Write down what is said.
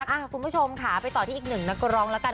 คุณผู้ชมค่ะไปต่อที่อีกหนึ่งนักร้องแล้วกัน